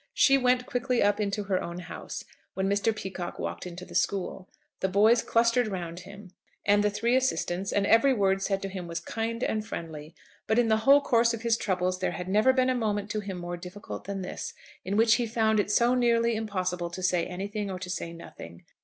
She went quickly up into her own house, when Mr. Peacocke walked into the school. The boys clustered round him, and the three assistants, and every word said to him was kind and friendly; but in the whole course of his troubles there had never been a moment to him more difficult than this, in which he found it so nearly impossible to say anything or to say nothing.